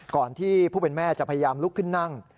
ที่ผู้เป็นแม่จะพยายามลุกขึ้นนั่ง